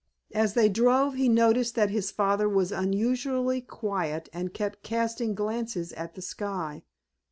As they drove he noticed that his father was unusually quiet and kept casting glances at the sky.